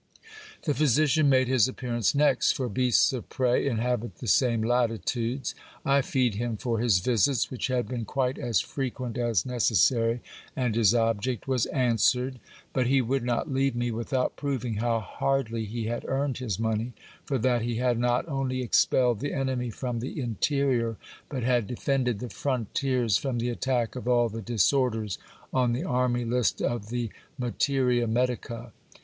The physician made his appearance next ; for beasts of prey inhabit the same latitudes. I fee'd him for his visits, which had been quite as frequent as neces sary, and his object was answered. But he would not leave me without proving how hardly he had earned his money, for that he had not only expelled the enemy from the interior, but had defended the frontiers from the attack of all the disorders on the army list of the materia medica.